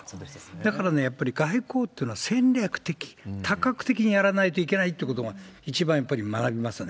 だからね、やっぱり外交ってのは戦略的、多角的にやらないといけないってことが一番、やっぱり分かりますね。